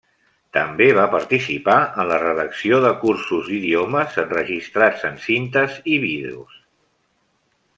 També va participar en la redacció de cursos d'idiomes enregistrats en cintes i vídeos.